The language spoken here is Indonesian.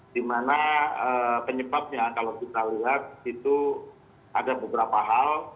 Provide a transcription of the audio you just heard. dimana penyebabnya kalau kita lihat itu ada beberapa hal